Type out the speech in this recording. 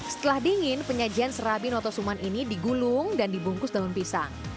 setelah dingin penyajian serabi noto suman ini digulung dan dibungkus daun pisang